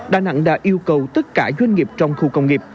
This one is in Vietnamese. đà nẵng đã yêu cầu tất cả doanh nghiệp trong khu công nghiệp